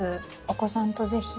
お子さんとぜひ。